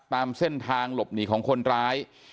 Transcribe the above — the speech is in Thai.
ตามเส้นทางหลบหนีของคนร้าย